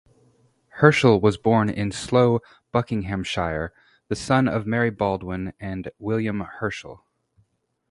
Herschel was born in Slough, Buckinghamshire, the son of Mary Baldwin and William Herschel.